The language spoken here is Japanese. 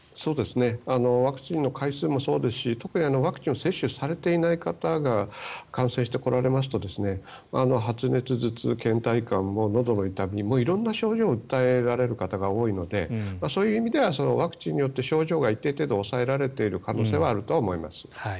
ワクチンの回数もそうですし特にワクチンを接種されていない方が感染してこられますと発熱、頭痛けん怠感、のどの痛みなど色んな症状を訴えられる方が多いのでそういう意味ではワクチンによって症状が一定程度抑えられている可能性はあります。